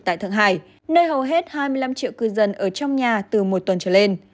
tại thượng hải nơi hầu hết hai mươi năm triệu cư dân ở trong nhà từ một tuần trở lên